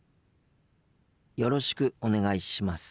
よろしくお願いします。